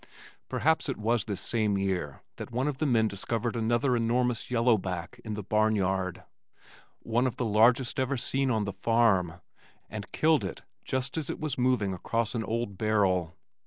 Perhaps it was this same year that one of the men discovered another enormous yellow back in the barnyard, one of the largest ever seen on the farm and killed it just as it was moving across an old barrel.